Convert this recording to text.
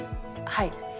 はい。